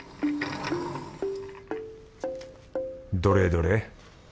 どれどれ。